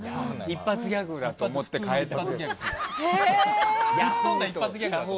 一発ギャグだと思って変えた。